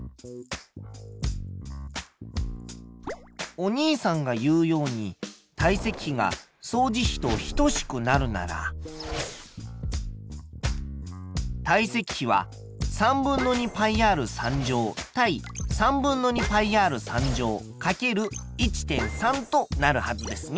お兄さんが言うように体積比が相似比と等しくなるなら体積比はとなるはずですね。